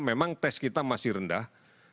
memang tes kita masih rendah